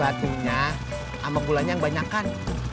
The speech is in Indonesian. batunya sama gulanya yang banyak kan